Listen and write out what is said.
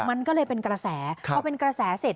มันก็เลยเป็นกระแสพอเป็นกระแสเสร็จ